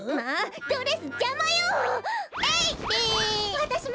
わたしも！